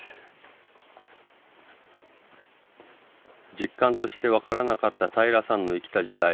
実感として分からなかった平良さんの生きた時代。